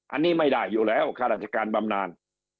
อันนี้ไม่ได้อยู่แล้วข้าราชการบำนาน